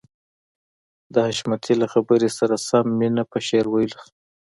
د حشمتي له خبرې سره سم مينه په شعر ويلو شوه.